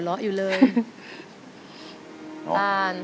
สวัสดีครับ